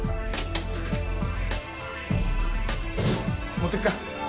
持ってくか？